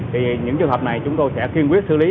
thì những trường hợp này chúng tôi sẽ kiên quyết xử lý